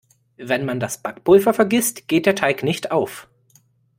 Wenn man das Backpulver vergisst, geht der Teig nicht auf.